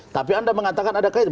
tapi anda mengatakan ada kaitan